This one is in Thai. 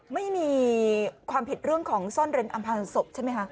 ไม่มีความผิดเรื่องของซ่อนเร้นอำพางศพใช่ไหมคะ